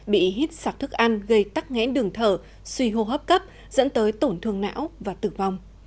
bị hít sạc thức ăn gây tắc nghẽn đường thở suy hô hấp cấp dẫn tới tổn thương não và tử vong